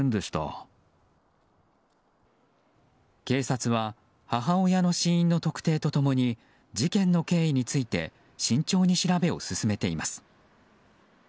警察は母親の死因の特定と共に事件の経緯について慎重に調べを進めています。